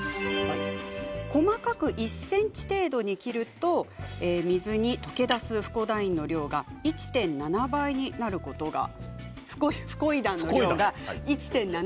細かく１ｃｍ程度に切ると水に溶け出すフコイダンの量が１．７倍になることが分かりました。